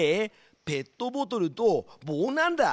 ペットボトルと棒なんだ。